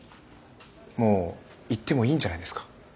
もう言ってもいいんじゃないですか？